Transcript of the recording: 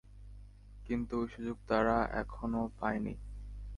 কিন্তু ঐ সুযোগ তারা এখনও পায় নি।